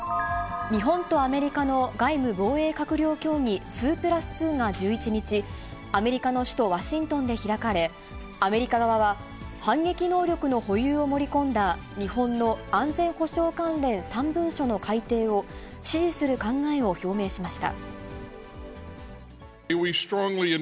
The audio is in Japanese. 日本とアメリカの外務・防衛閣僚協議、２プラス２が１１日、アメリカの首都ワシントンで開かれ、アメリカ側は、反撃能力の保有を盛り込んだ日本の安全保障関連３文書の改定を支持する考えを表明しました。